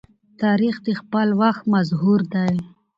تاریخ د خپل وخت مظهور دی.